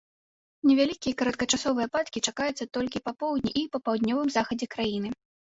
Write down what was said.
Невялікія кароткачасовыя ападкі чакаюцца толькі па поўдні і паўднёвым захадзе краіны.